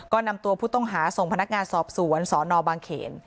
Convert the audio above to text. ก็นำตัวผู้ต้องหาส่งพนักงานสอบสวนสนบางเขน